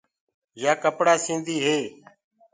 يآ ڪپڙآ سيٚنٚدي هي۔